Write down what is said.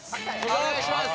お願いします